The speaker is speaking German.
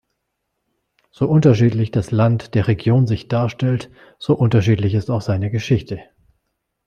So unterschiedlich das Land der Region sich darstellt, so unterschiedlich ist auch seine Geschichte.